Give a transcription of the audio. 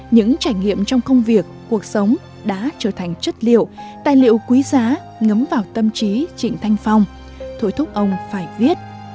những trải nghiệm trong công việc cuộc sống đã trở thành chất liệu tài liệu quý giá ngấm vào tâm trí trịnh thanh phong thổi thúc ông phải viết